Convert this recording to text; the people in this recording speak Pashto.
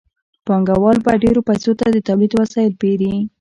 پانګوال په ډېرو پیسو د تولید وسایل پېري